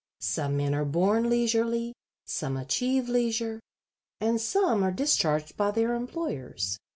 Some men are born leisurely, some achieve leisure, and some are discharged by their employers.